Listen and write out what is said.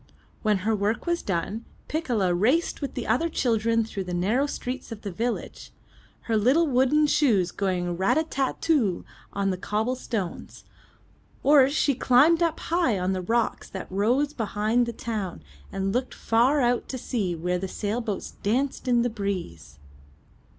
When her work was done, Piccola raced with the other children through the narrow streets of the village, her little wooden shoes going rat a tat too on the cobble stones, or she climbed up high on the rocks that rose behind the town and looked far out to sea where the sailboats danced in the breeze.